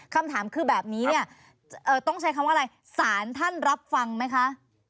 คำถามคือแบบนี้เนี่ยต้องใช้คำว่าอะไรสารท่านรับฟังไหมคะ